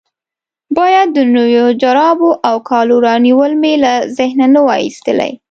باید د نویو جرابو او کالو رانیول مې له ذهنه نه وای ایستلي.